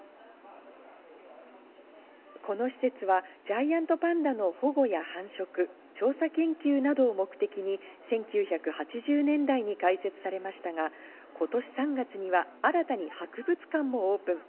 この施設はジャイアントパンダの保護や繁殖、調査、研究などを目的に１９８０年代に開設されましたが、今年３月には新たに博物館もオープン。